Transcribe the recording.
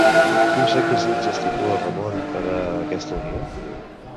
Quins requisits estipula Ramon per a aquesta unió?